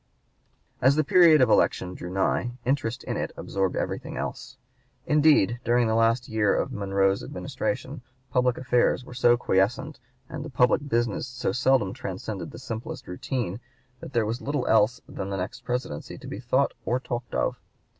As the period of election drew nigh, interest in it absorbed everything else; indeed during the last year of Monroe's Administration public affairs were so quiescent and the public business so seldom transcended the simplest routine, that there was little else than the next Presidency to be thought or talked of.